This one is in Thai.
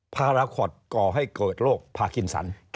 ภาระขอดก่อให้เกิดโรคพากินสรรค์